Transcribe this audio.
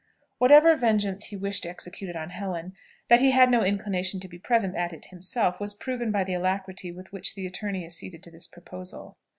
Whatever vengeance he wished executed on Helen, that he had no inclination to be present at it himself, was proved by the alacrity with which the attorney acceded to this proposal.